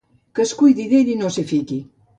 Que es cuidi d'ell i no s'hi fiqui.